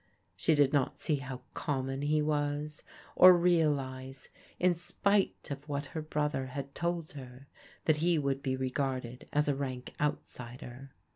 She did not see how common he was, or realize, in spite of what her brother had told her, that he would be re garded as a rank outsider.